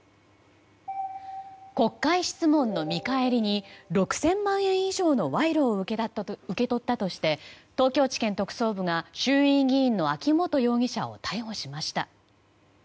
国会質問の見返りに６０００万円以上の賄賂を受け取ったとして東京地検特捜部が衆院議員の秋本容疑者を逮捕しました。